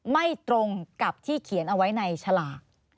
ไม่ตรงกับที่เขียนเอาไว้ในฉลาก